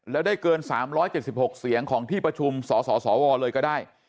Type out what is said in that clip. แล้วได้เกิน๓๗๖เสียงของที่ประชุมสสวเลยก็ได้